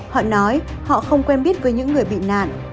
họ nói họ không quen biết với những người bị nạn